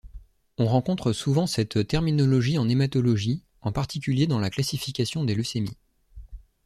On rencontre souvent cette terminologie en hématologie, en particulier dans la classification des leucémies.